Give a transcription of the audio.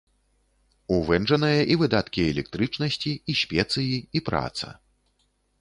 У вэнджанае і выдаткі электрычнасці, і спецыі, і праца.